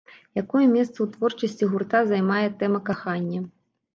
Якое месца ў творчасці гурта займае тэма кахання?